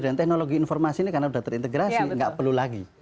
dan teknologi informasi ini karena sudah terintegrasi gak perlu lagi